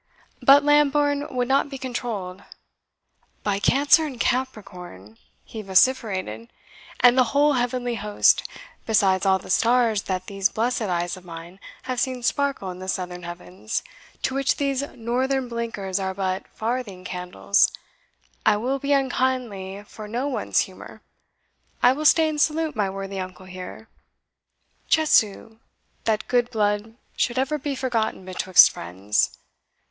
But Lambourne would not be controlled. "By Cancer and Capricorn," he vociferated, "and the whole heavenly host, besides all the stars that these blessed eyes of mine have seen sparkle in the southern heavens, to which these northern blinkers are but farthing candles, I will be unkindly for no one's humour I will stay and salute my worthy uncle here. Chesu! that good blood should ever be forgotten betwixt friends!